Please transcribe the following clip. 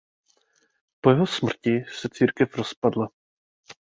Po jeho smrti se církev rozpadla.